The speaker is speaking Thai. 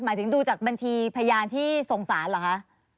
หมายถึงดูจากบัญชีพยานที่สงสารเหรอคะ